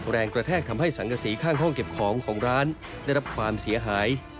แรงกระแทกทำให้สังกษีข้างห้องเก็บของของร้านได้รับความเสียหาย